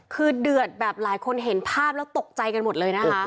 คือเดือดแบบหลายคนเห็นภาพแล้วตกใจกันหมดเลยนะคะ